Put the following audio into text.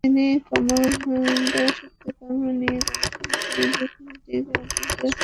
তিনি কমল কুমার মজুমদারের সাহিত্যকর্ম নিয়ে গবেষণা করে পিএইচডি ডিগ্রি অর্জন করেছেন।